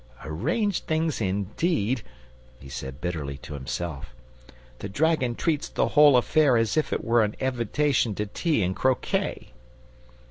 "Arrange things indeed!" he said bitterly to himself. "The dragon treats the whole affair as if it was an invitation to tea and croquet."